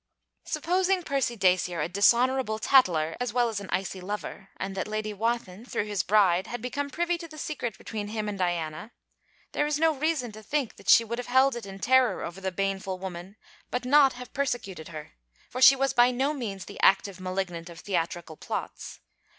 Supposing Percy Dacier a dishonourable tattler as well as an icy lover, and that Lady Wathin, through his bride, had become privy to the secret between him and Diana? There is reason to think that she would have held it in terror over the baneful woman, but not have persecuted her: for she was by no means the active malignant of theatrical plots.